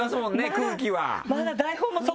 空気は。